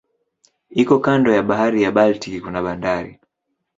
Iko kando ya bahari ya Baltiki kuna bandari.